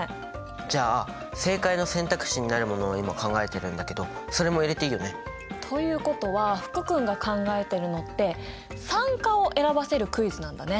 じゃあ正解の選択肢になるものを今考えているんだけどそれも入れていいよね？ということは福君が考えてるのって酸化を選ばせるクイズなんだね。